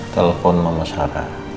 telepon sama sarah